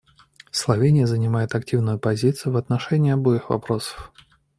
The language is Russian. Словения занимает активную позицию в отношении обоих вопросов.